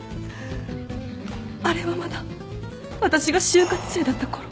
あれはまだ私が就活生だったころ。